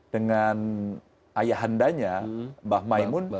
dengan ayah handanya mbah maimun